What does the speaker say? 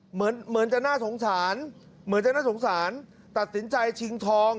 เหมือนจะน่าสงสารตัดสินใจชิงทอง